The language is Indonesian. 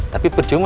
tapi percuma bu